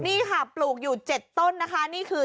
นี่ค่ะปลูกอยู่๗ต้นนะคะนี่คือ